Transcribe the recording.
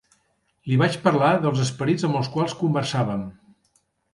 Li vaig parlar dels esperits amb els quals conversàvem.